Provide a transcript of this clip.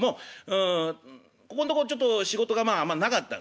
うんここんとこちょっと仕事があんまなかったんですね